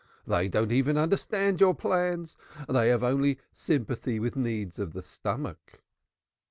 They do not even understand your plans. They have only sympathy with needs of the stomach."